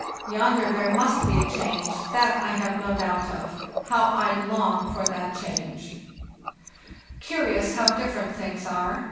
Yonder there must be a change; that I have no doubt of. How I long for that change |! "Curious how different things are.